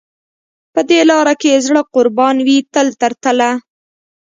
په دې لار کې زړه قربان وي تل تر تله.